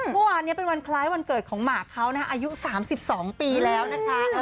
เมื่อวานนี้เป็นวันคล้ายวันเกิดของหมากเขานะอายุ๓๒ปีแล้วนะคะ